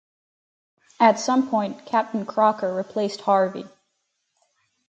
At some point Captain Crocker replaced Harvey.